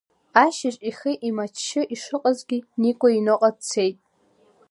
Ашьыжь, ихы еимаччы ишыҟазгьы, Никәа иҩныҟа дцеит.